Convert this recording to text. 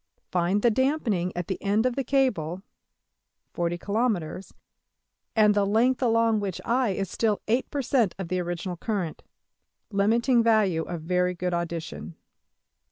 Find the damping at the end of the cable ($40$~kilometres), and the length along which $i$~is still $8$\%~of the original current (limiting value of very good audition).